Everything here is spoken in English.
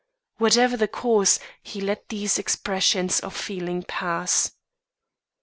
Whatever the cause, he let these expressions of feeling pass.